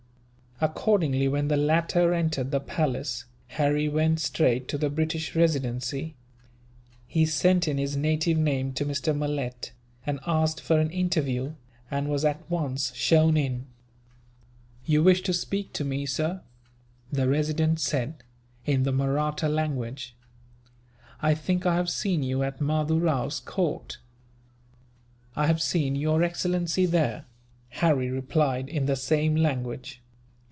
Accordingly, when the latter entered the palace, Harry went straight to the British Residency. He sent in his native name to Mr. Malet, and asked for an interview, and was at once shown in. "You wish to speak to me, sir?" the Resident said, in the Mahratta language. "I think I have seen you at Mahdoo Rao's court." "I have seen your excellency there," Harry replied, in the same language.